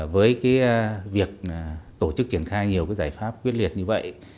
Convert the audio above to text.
với việc tổ chức triển khai nhiều giải pháp quyết liệt như vậy